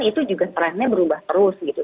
itu juga trendnya berubah terus gitu